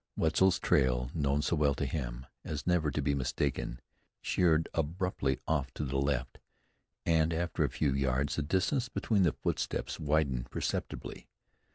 Wetzel's trail, known so well to him, as never to be mistaken, sheered abruptly off to the left, and, after a few yards, the distance between the footsteps widened perceptibly.